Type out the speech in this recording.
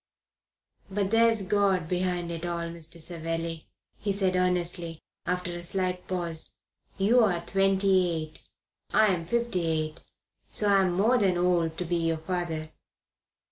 "But there's God behind it all. Mr. Savelli," he said earnestly, after a slight pause, "you are twenty eight; I am fifty eight; so I'm more than old enough to be your father.